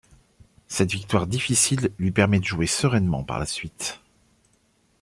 Cette victoire difficile lui permet de jouer sereinement par la suite.